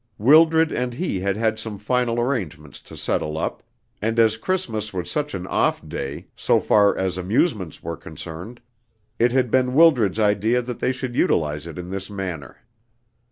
Wildred and he had had some final arrangements to settle up, and as Christmas was such an "off day," so far as amusements were concerned, it had been Wildred's idea that they should utilise it in this manner.